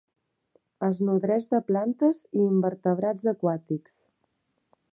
Es nodreix de plantes i invertebrats aquàtics.